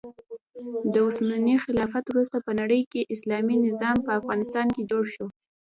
د عثماني خلافت وروسته په نړۍکې اسلامي نظام په افغانستان کې جوړ شو.